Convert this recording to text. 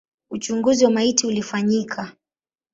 Uchunguzi wa maiti ulifanyika.